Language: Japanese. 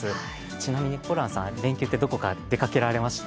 ちなみにホランさん、連休ってどこか出かけられました？